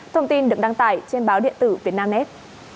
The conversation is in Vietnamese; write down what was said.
thông tin được đăng tải trên báo điện tử việt nam nét